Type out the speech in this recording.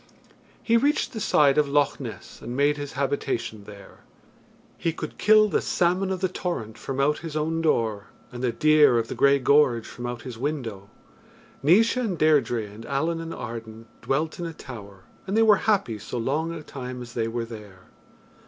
He reached the side of Loch Ness and made his habitation there. He could kill the salmon of the torrent from out his own door, and the deer of the grey gorge from out his window. Naois and Deirdre and Allen and Arden dwelt in a tower, and they were happy so long a time as they were there.